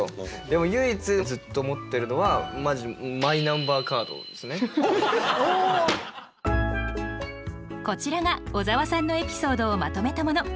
でも唯一ずっと持ってるのはこちらが小沢さんのエピソードをまとめたもの。